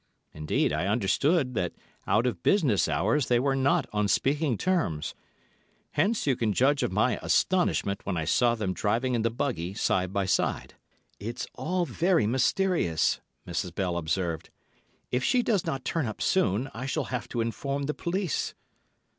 Indeed, I understood that out of business hours they were not on speaking terms; hence you can judge of my astonishment when I saw them driving in the buggy side by side." "It's all very mysterious," Mrs. Bell observed. "If she does not turn up soon, I shall have to inform the police."